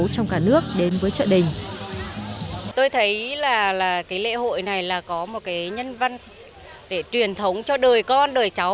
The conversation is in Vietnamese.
trong cả nước đến với chợ đình